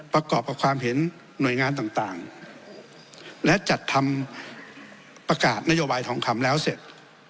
ประกอบกับความเห็นหน่วยงานต่างและจัดทำประกาศนโยบายทองคำแล้วเสร็จ